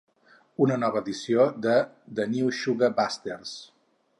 Una nova edició de The New Sugar Busters!